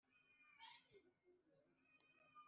ni ubuhe butumwa bugenewe?